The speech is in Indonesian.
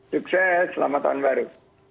sukses selamat tahun baru